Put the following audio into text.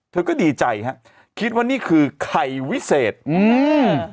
เธอก็ดีใจฮะคิดว่านี่คือไข่วิเศษอืม